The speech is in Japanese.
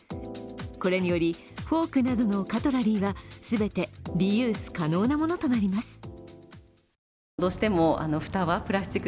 これによりフォークなどのカトラリーは全てリユース可能なものとなります。